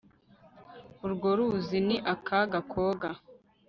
Urwo ruzi ni akaga koga